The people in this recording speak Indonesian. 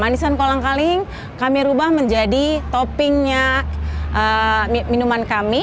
nah manisan kolangkaling kami ubah menjadi toppingnya minuman kami